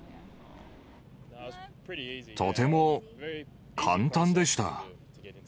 とても簡単でした。